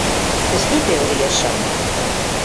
Ez dute hori esan.